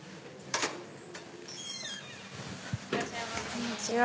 こんにちは。